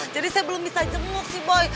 jadi saya belum bisa jenguk sih boy